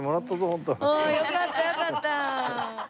よかったよかった。